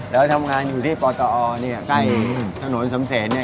แล้วทำงานอยู่ที่ปอตออลใกล้ถนนสำเสน